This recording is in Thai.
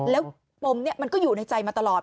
แล้วปมนี้มันก็อยู่ในใจมาตลอด